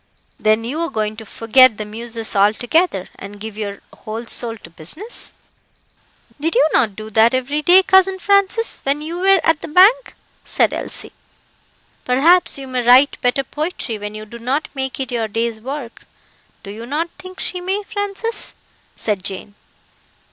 "Then, you are going to forget the Muses altogether, and give your whole soul to business?" "Did you not do that every day, cousin Francis, when you were at the Bank?" said Elsie. "Perhaps you may write better poetry when you do not make it your day's work. Do you not think she may, Francis?" said Jane.